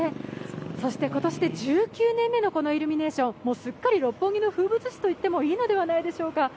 そして今年で１９年目のこのイルミネーション、すっかり六本木の風物詩と言ってもいいのではないでしょうか。